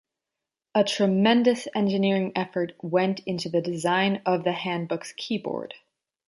A tremendous engineering effort went into the design of the HandBook's keyboard.